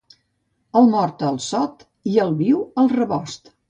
El mort, al sot, i el viu, al rebost.